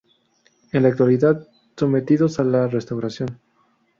En la actualidad sometidos a la restauración.